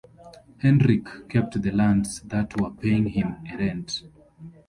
Hendrick kept the lands that were paying him a rent.